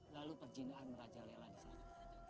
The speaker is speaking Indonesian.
lalu perjinaan raja lela disana